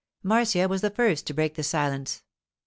Marcia was the first to break the silence.